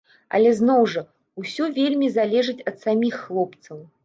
Але зноў жа, усё вельмі залежыць ад саміх хлопцаў.